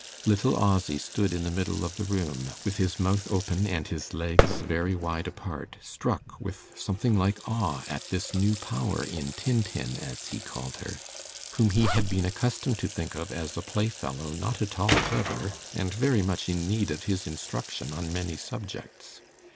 Little Ozzy stood in the middle of the room, with his mouth open and his legs very wide apart, struck with something like awe at this new power in 'Tin Tin,' as he called her, whom he had been accustomed to think of as a playfellow not at all clever, and very much in need of his instruction on many subjects.